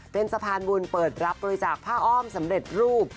เป็นสะพานบุญเปิดรับบริจาคผ้าอ้อมสำเร็จรูป